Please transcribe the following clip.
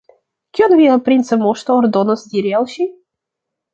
Kion via princa moŝto ordonos diri al ŝi?